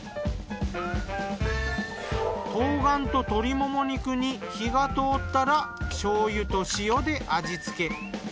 冬瓜と鶏もも肉に火が通ったら醤油と塩で味付け。